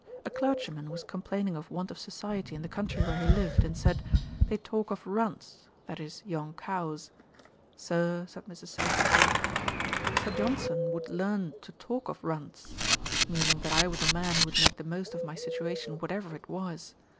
A clergyman was complaining of want of society in the country where he lived; and said, "They talk of runts;" (that is, young cows). "Sir, (said Mrs. Salusbury,) Mr. Johnson would learn to talk of runts:" meaning that I was a man who would make the most of my situation, whatever it was.'